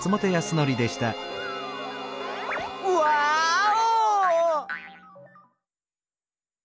ワーオ！